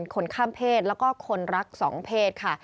คนข้ามเพศแล้วก็คนรักสองเพศค่ะ